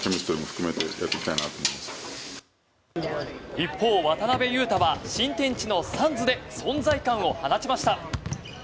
一方、渡邊雄太は新天地のサンズで存在感を放ちました。